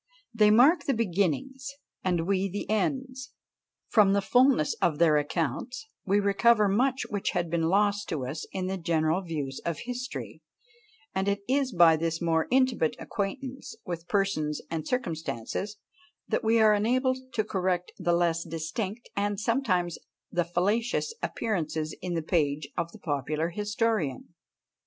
They mark the beginnings, and we the ends. From the fulness of their accounts we recover much which had been lost to us in the general views of history, and it is by this more intimate acquaintance with persons and circumstances that we are enabled to correct the less distinct, and sometimes the fallacious appearances in the page of the popular historian.